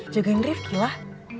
jagain rifki lah